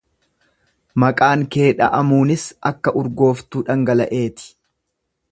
maqaan kee dha'amuunis akka urgooftuu dhangala'eeti.